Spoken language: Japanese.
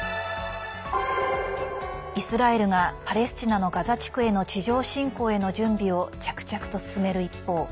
イスラエルがパレスチナのガザ地区への地上侵攻への準備を着々と進める一方